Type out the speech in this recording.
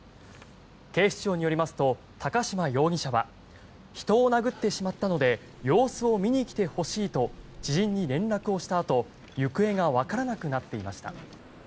警視庁によりますと高島容疑者は人を殴ってしまったので様子を見に来てほしいと知人に連絡をしたあと、行方がわからなくなっていました。